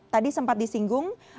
tadi sempat disinggung